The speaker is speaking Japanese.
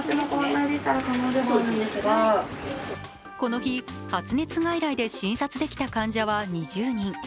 この日、発熱外来で診察できた患者は２０人。